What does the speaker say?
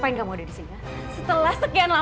yang ada di sosial estas